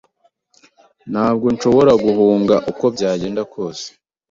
Ntabwo nshobora guhunga uko byagenda kose,